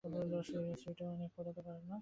সুইটা অন্য কোথাও ফোঁটাতে পার না?